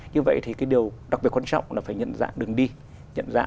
như vậy thì điều đặc biệt quan trọng là phải nhận dạng